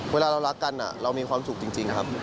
เวลาเรารักกันเรามีความสุขจริงนะครับ